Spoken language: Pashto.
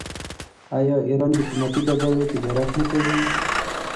آیا ایران د قیمتي ډبرو تجارت نه کوي؟